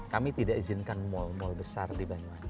kami tidak izinkan mall mall besar di banyuwangi